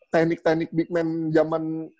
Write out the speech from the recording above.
teknik teknik big man zaman